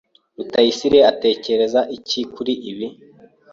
Rutayisire atekereza iki kuri ibi?